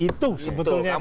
itu sebetulnya jawabannya